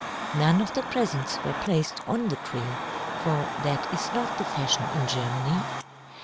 None of the presents were placed on the tree, for that is not the fashion in Germany.